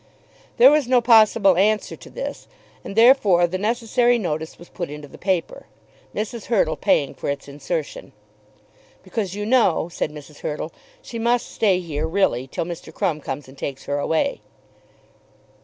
There was no possible answer to this, and therefore the necessary notice was put into the paper, Mrs. Hurtle paying for its insertion. "Because, you know," said Mrs. Hurtle, "she must stay here really, till Mr. Crumb comes and takes her away."